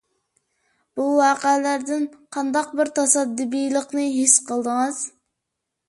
بۇ ۋەقەلەردىن قانداق بىر تاسادىپىيلىقنى ھېس قىلدىڭىز؟